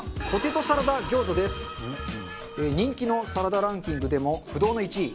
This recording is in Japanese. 人気のサラダランキングでも不動の１位。